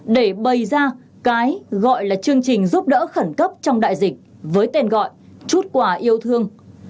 để bày ra cái gọi là chương trình giúp đỡ khẩn cấp trong đại dịch với tên gọi chút quả yêu thương